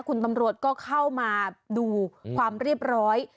คุณตำรวจก็เข้ามาดูความเรียบร้อย